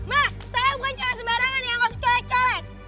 mas saya bukan cuma sembarangan yang ngasih colek colek